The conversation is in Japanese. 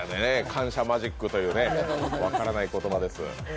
感謝マジックというね、分からない言葉です。